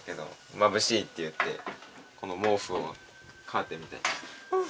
まぶしいって言ってこの毛ふをカーテンみたいにして。